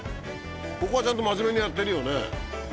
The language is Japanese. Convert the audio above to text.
ここはちゃんと真面目にやってるよね。